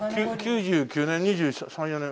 ９９年２３２４年。